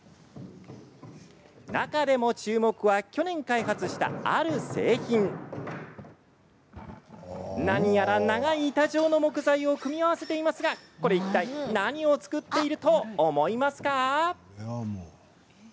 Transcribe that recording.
中でも注目は去年開発したある製品何やら長い板状の木材を組み合わせていますがいったい何を作っていると思いますか？